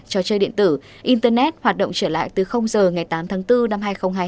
trò chơi điện tử internet hoạt động trở lại từ giờ ngày tám tháng bốn năm hai nghìn hai mươi hai